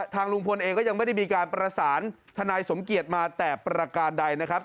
ทางลุงพลเองก็ยังไม่ได้มีการประสานทนายสมเกียจมาแต่ประการใดนะครับ